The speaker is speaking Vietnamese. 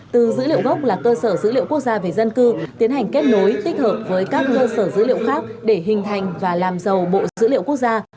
từ dữ liệu gốc là cơ sở dữ liệu quốc gia về dân cư tiến hành kết nối tích hợp với các cơ sở dữ liệu khác để hình thành và làm giàu bộ dữ liệu quốc gia